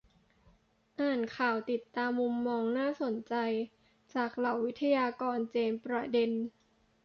อ่านข่าว ติดตามมุมมองน่าสนใจ จากเหล่าวิทยากรเจนประเด็น